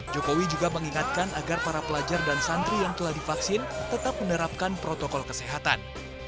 jokowi juga mengingatkan agar para pelajar dan santri yang telah divaksin tetap menerapkan protokol kesehatan